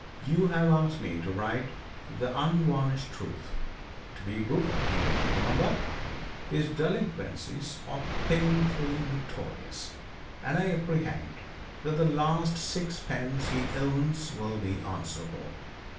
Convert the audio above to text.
You have asked me to write the unvarnished truth, to be brutal even, remember. His delinquencies are painfully notorious, and I apprehend that the last sixpence he owns will be answerable.